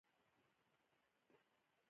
د ښځو حقونه د ټولني د پرمختګ بنسټ دی.